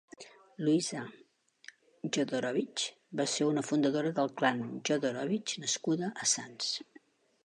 Luisa Jodorovich va ser una fundadora del clan Jodorovich nascuda a Sants.